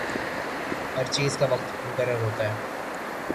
ہر چیز کا وقت مقرر ہوتا ہے۔